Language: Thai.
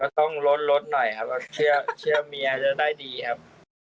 ต้องลดลดหน่อยครับเชื่อเมียจะได้ดีครับ